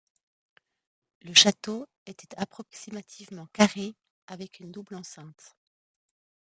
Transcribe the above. Le château était approximativement carré avec une double enceinte.